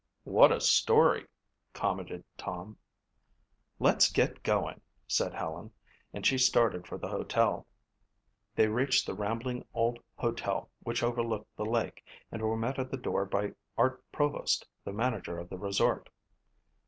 "What a story," commented Tom. "Let's get going," said Helen, and she started for the hotel. They reached the rambling old hotel which overlooked the lake and were met at the door by Art Provost, the manager of the resort.